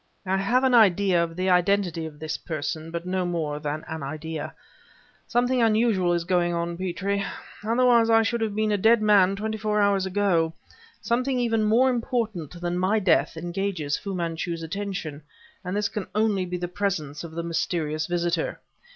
I have an idea of the identity of this person, but no more than an idea. Something unusual is going on, Petrie; otherwise I should have been a dead man twenty four hours ago. Something even more important than my death engages Fu Manchu's attention and this can only be the presence of the mysterious visitor.